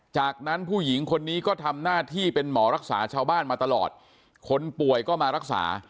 จากนั้นผู้หญิงคนนี้ก็ทำหน้าที่เป็นหมอรักษาชาวบ้านมาตลอดคนป่วยก็มารักษา